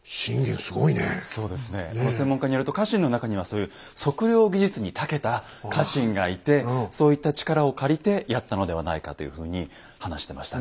専門家によると家臣の中にはそういう測量技術にたけた家臣がいてそういった力を借りてやったのではないかというふうに話してましたね。